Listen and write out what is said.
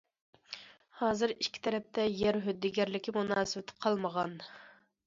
ھازىر ئىككى تەرەپتە يەر ھۆددىگەرلىكى مۇناسىۋىتى قالمىغان.